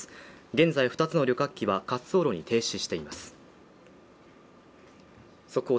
現在二つの旅客機は滑走路に停止しています。